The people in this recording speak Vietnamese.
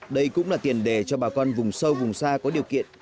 đây cũng là tiền đề cho bà con vùng sâu vùng xa có điều kiện